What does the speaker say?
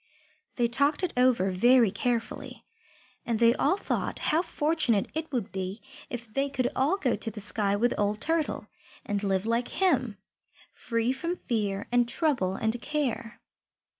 They talked it over very carefully, and they all thought how fortunate it would be if they could all go to the sky with old Turtle, and live like him, free from fear and trouble and care.